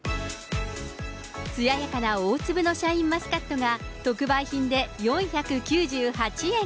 つややかな大粒のシャインマスカットが、特売品で４９８円。